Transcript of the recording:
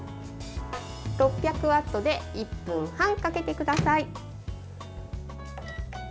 ６００ワットで１分半かけてください。